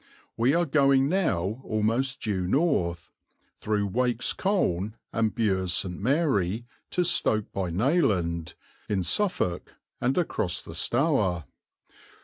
We are going now almost due north, through Wake's Colne and Bures St. Mary to Stoke by Nayland, in Suffolk and across the Stour.